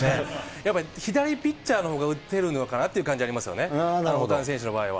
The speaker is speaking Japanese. やっぱり左ピッチャーのほうが打てるのかなっていう感じはありますよね、大谷選手の場合は。